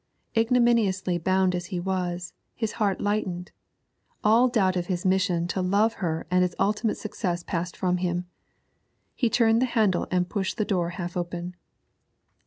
Ignominiously bound as he was, his heart lightened; all doubt of his mission to love her and its ultimate success passed from him. He turned the handle and pushed the door half open.